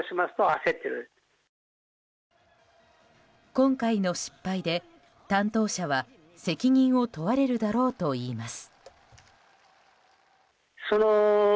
今回の失敗で、担当者は責任を問われるだろうといいます。